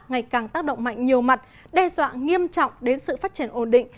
ngày càng tác động mạnh nhiều mặt đe dọa nghiêm trọng đến sự phát triển ổn định